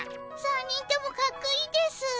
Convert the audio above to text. ３人ともかっこいいですぅ。